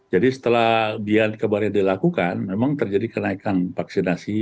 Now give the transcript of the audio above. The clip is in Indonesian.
jadi setelah bian kembali dilakukan memang terjadi kenaikan vaksinasi